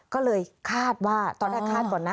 ก็เลยคาดว่าตอนแรกคาดก่อนนะ